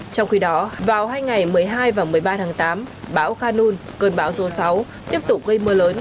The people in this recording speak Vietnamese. trong khi đó vào hai ngày một mươi hai và một mươi ba tháng tám bão khanun cơn bão số sáu tiếp tục gây mưa lớn